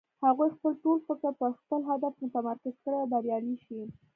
هغوی خپل ټول فکر پر خپل هدف متمرکز کړي او بريالی شي.